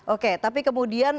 oke tapi kemudian